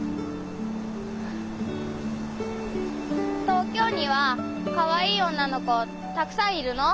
東京にはかわいい女の子たくさんいるの？